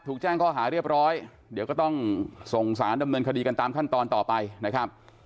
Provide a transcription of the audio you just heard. แจ้งข้อหาเรียบร้อยเดี๋ยวก็ต้องส่งสารดำเนินคดีกันตามขั้นตอนต่อไปนะครับ